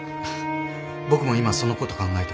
僕も今そのこと考えてました。